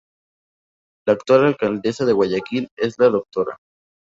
La actual "alcaldesa de Guayaquil" es la Dra.